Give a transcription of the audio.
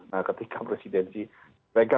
nah ketika presidensi pegang oleh